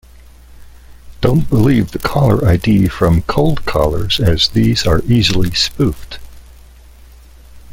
Don't believe the caller id from cold callers as these are easily spoofed.